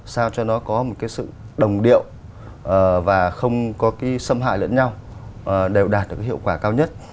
sao cho nó có sự đồng điệu và không có xâm hại lẫn nhau đều đạt được hiệu quả cao nhất